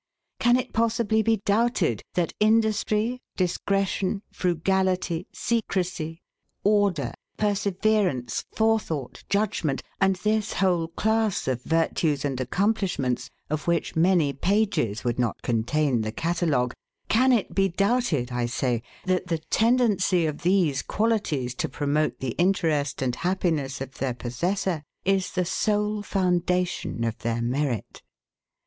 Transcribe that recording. Can it possibly be doubted that industry, discretion, frugality, secrecy, order, perseverance, forethought, judgement, and this whole class of virtues and accomplishments, of which many pages would not contain the catalogue; can it be doubted, I say, that the tendency of these qualities to promote the interest and happiness of their possessor, is the sole foundation of their merit?